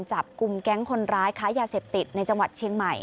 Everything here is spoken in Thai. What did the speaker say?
จับกลุ่มแก๊งคนร้ายค้ายาเสพติดในจังหวัดเชียงใหม่